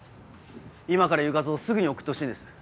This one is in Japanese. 今から言う画像をすぐに送ってほしいんです。